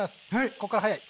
ここから早い！